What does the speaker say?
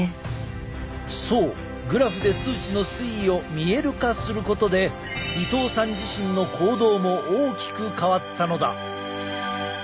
そうグラフで数値の推移を見える化することで伊東さん自身の行動も大きく変わったのだ。